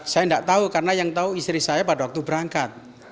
saya tidak tahu karena yang tahu istri saya pada waktu berangkat